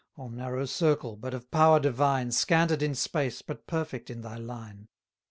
O narrow circle, but of power divine, Scanted in space, but perfect in thy line!